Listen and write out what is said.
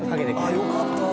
よかった。